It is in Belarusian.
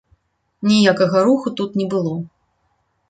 Ніякага руху тут не было.